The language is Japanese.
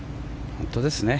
本当ですね。